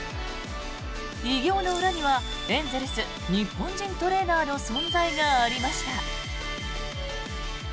偉業の裏にはエンゼルス日本人トレーナーの存在がありました。